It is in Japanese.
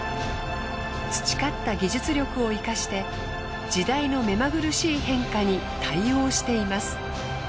培った技術力を生かして時代の目まぐるしい変化に対応しています。